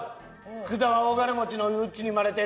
福田は大金持ちのうちに生まれてる。